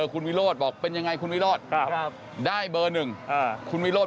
คุณวิโรธบอกเป็นยังไงคุณวิโรธได้เบอร์หนึ่งคุณวิโรธ